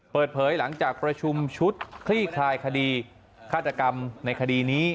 เปิดเผยหลังจากประชุมชุดคลี่คลายคดีฆาตกรรมในคดีนี้